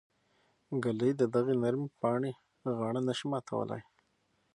ږلۍ د دغې نرمې پاڼې غاړه نه شي ماتولی.